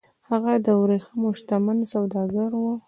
هغه د ورېښمو شتمن سوداګر و